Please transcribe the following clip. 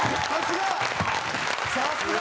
さすが！